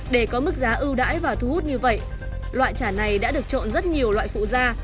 để có mức giá ưu đãi và thu hút như vậy loại chả này đã được trộn rất nhiều loại phụ da